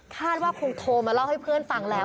ว่าคงโทรมาเล่าให้เพื่อนฟังแล้ว